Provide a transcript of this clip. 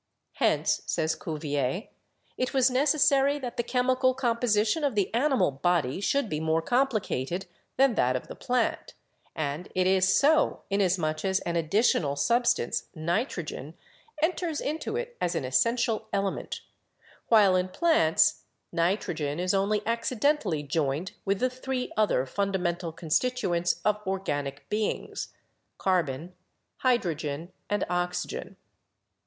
Hence, says Cuvier, it was neces sary that the chemical composition of the animal body should be more complicated than that of the plant ; and it is ORGANIC FUNCTIONS 9 1 so, inasmuch as an additional substance — nitrogen — enters into it as an essential element ; while in plants nitrogen is only accidentally joined with the three other fundamental constituents of organic beings — carbon, hydrogen and oxy gen.